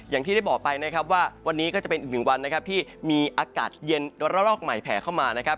อย่างที่ได้บอกไปนะครับว่าวันนี้ก็จะเป็นอีกหนึ่งวันนะครับที่มีอากาศเย็นระลอกใหม่แผ่เข้ามานะครับ